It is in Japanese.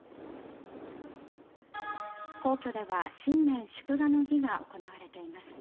皇居では新年祝賀の儀が行われています。